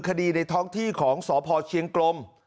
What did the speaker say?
คดีในท้องที่ของสพเชียงกลม